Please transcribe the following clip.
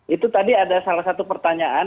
itu tadi ada salah satu pertanyaan